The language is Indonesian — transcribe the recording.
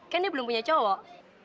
kan dia belum punya cowok